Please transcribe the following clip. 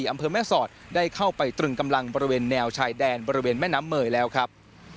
อำเภอแม่สอดได้เข้าไปตรึงกำลังบริเวณแนวชายแดนบริเวณแม่น้ำเมยแล้วครับ